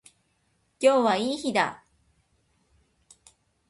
今日はいい日だ。